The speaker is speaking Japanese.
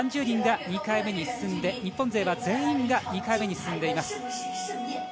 ３０人が２回目に進んで日本勢は全員が２回目に進んでいます。